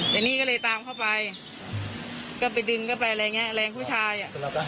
แต่นี่ก็เลยตามเข้าไปก็ไปดึงเข้าไปอะไรอย่างนี้แรงผู้ชาย